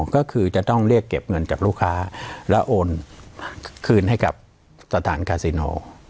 ก็คือจะต้องเรียกเก็บเงินจากลูกค้าแล้วโอนคืนให้กับสถานคาซิโน